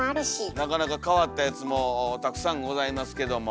なかなか変わったやつもたくさんございますけども。